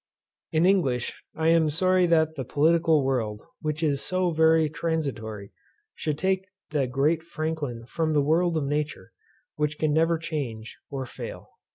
_ In English. "I am sorry that the political world, which is so very transitory, should take the great Franklin from the world of nature, which can never change, or fail."